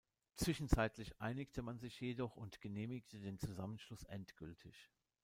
Zwischenzeitlich einigte man sich jedoch und genehmigte den Zusammenschluss endgültig.